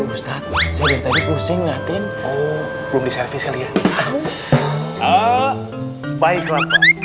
ustadz saya tadi pusing ngerti belum diservis kali ya